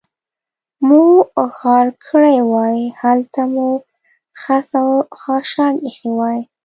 مو غار کړې وای، هلته مو خس او خاشاک اېښي وای.